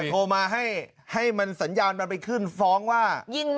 ต่อมาให้ให้มันสัญญาณออกไปขึ้นฟ้องว่า